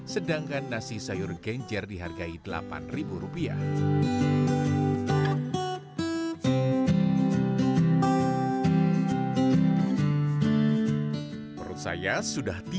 sedangkan nasi sayur genjer dihargai delapan rupiah